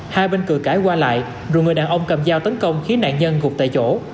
hai bên cửa cãi qua lại rồi người đàn ông cầm dao tấn công khiến nạn nhân gục tại chỗ